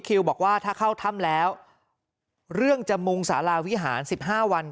เชียวบอกว่าถ้าเข้าถ้ำแล้วเรื่องจมุงศาลาวิหารสิบห้าวัน